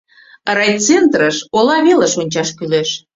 — Райцентрыш, ола велыш ончаш кӱлеш.